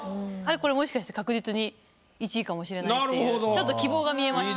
これもしかして確実に１位かもしれないっていうちょっと希望が見えました。